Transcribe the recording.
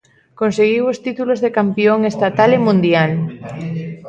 Conseguiu os títulos de campión estatal e mundial.